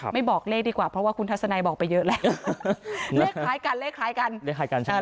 ไม่บอกเลขดีกว่าเพราะว่าคุณทัศนัยบอกไปแบบเยอะแล้ว